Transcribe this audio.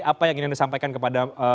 apa yang ingin disampaikan kepada